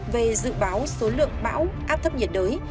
về dự báo số lượng bão áp thấp nhiệt đới